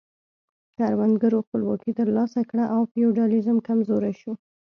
کروندګرو خپلواکي ترلاسه کړه او فیوډالیزم کمزوری شو.